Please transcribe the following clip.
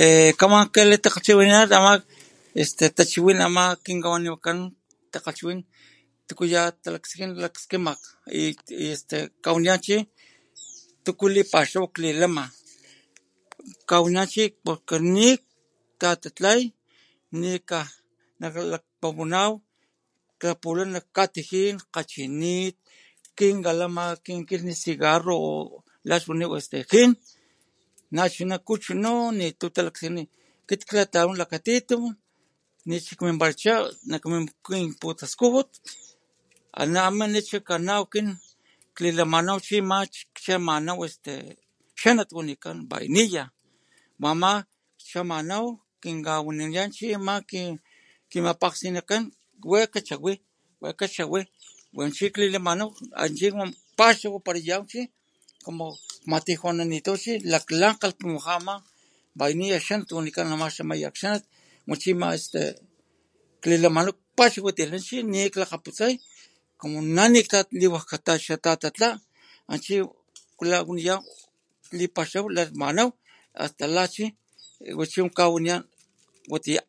Eeeh... kaman kalitakgalhchiwinanan ama este tachiwin ama kinkawanikan takgalhchiwin, tuku ya talakaskin lakaskima y y este kawaniyan chi, ¡tuku lipaxaw klilama! Kawaniyan chi porque niktatatlay, nikajkujunanaw, klapula nak katijin kgachinit, kinkalama kinkilhni cigarro o lax waniw este jin, nachuna kuchu nooo nitu talakskini akit tlawan lakatitun nichi kminbaracha nakmin nakkinputaskujut ana ma ni chi kanaw kin klilamanaw chi ama kchamanaw este xanat wanikan vainilla wama chamanaw kin kawaniyan chi ama kin kimapakgsinakan wekg kachawi, wekg kachawi wa chi klilamanaw achi kpaxawaparayaw chi como kmatijunanitaw chi laklan kgalhpumaja ama vainilla xanat wanikan o ama xamayak xanat wa chi ama este klilamanaw kpaxawatilha xi nikklakgaputsay como nani kawilajxatatatla ana chi lawaniyaw lipaxaw lamanaw hasta la chi wa chi kawaniyan watiya.